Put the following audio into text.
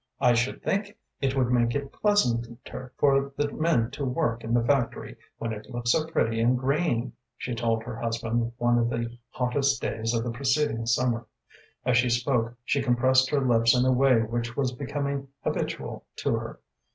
"I should think it would make it pleasanter for the men to work in the factory, when it looks so pretty and green," she told her husband one of the hottest days of the preceding summer. As she spoke she compressed her lips in a way which was becoming habitual to her.